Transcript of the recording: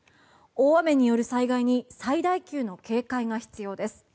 大雨による災害に最大級の警戒が必要です。